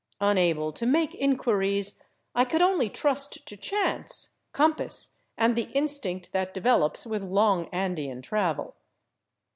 Unable to make inquiries, I could only trust to chance, com pass, and the instinct that develops with long Andean travel.